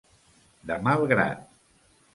De mal grat.